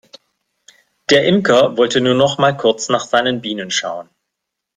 Der Imker wollte nur noch mal kurz nach seinen Bienen schauen.